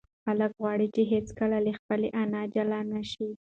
هلک غواړي چې هیڅکله له خپلې انا جلا نشي.